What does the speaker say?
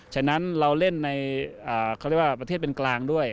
ฉะนั้นเราเล่นในประเทศเป็นกลางด้วย